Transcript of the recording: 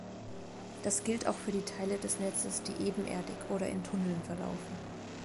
Das gilt auch für die Teile des Netzes, die ebenerdig oder in Tunneln verlaufen.